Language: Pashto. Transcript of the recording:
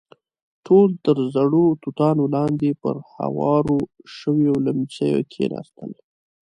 ټول تر زړو توتانو لاندې پر هوارو شويو ليمڅيو کېناستل.